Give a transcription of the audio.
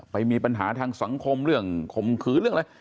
ไปมีปัญหาทางสังคมเรื่องข่มขืนเรื่องอะไร